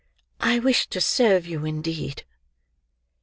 "I wish to serve you indeed."